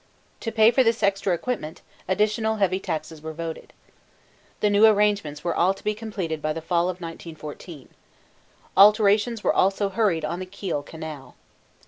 To pay for this extra equipment additional heavy taxes were voted. The new arrangements were all to be completed by the fall of 1914. Alterations were also hurried on the Kiel Canal.